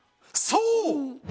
そう！